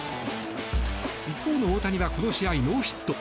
一方の大谷はこの試合ノーヒット。